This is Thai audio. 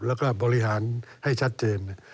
แล้วก็บริหารให้ชัดเจน